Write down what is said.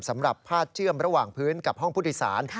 สำหรับผ้าเจื้อมระหว่างพื้นกับห้องพุทธศาล